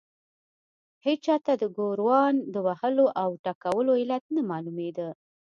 هېچا ته د ګوروان د وهلو او ټکولو علت نه معلومېده.